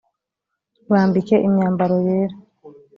bambike imyambaro yera